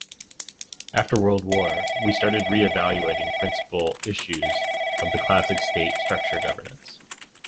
After World War, we started re-evaluating principal issues of the classic state structure governance.